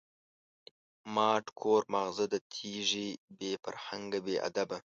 ماټ کور ماغزه د تیږی، بی فرهنگه بی ادبه